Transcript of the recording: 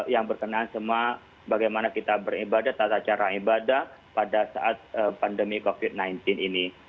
yang berkenaan sama bagaimana kita beribadat tata cara ibadah pada saat pandemi covid sembilan belas ini